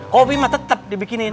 kopi mah tetap dibikinin